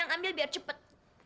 oke kita ambil biar cepet